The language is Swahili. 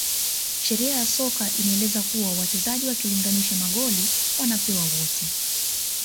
sheria ya soka inaeleza kuwa wachezaji wakilinganisha magoli wanapewa wote